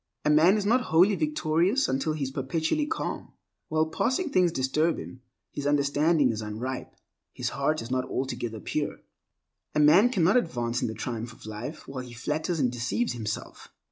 A man is not wholly victorious until he is perpetually calm. While passing things disturb him, his understanding is unripe, his heart is not altogether pure. A man cannot advance in the triumph of life while he flatters and deceives himself.